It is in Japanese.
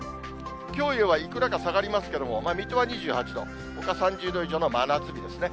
きょうよりはいくらか下がりますけれども、水戸は２８度、ほか３０度以上の真夏日ですね。